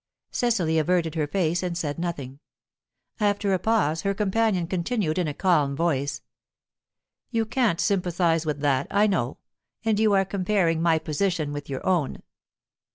Cecily averted her face, and said nothing. After a pause, her companion continued in a calm voice: "You can't sympathize with that, I know. And you are comparing my position with your own."